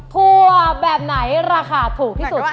ถั่วแบบไหนราคาถูกที่สุด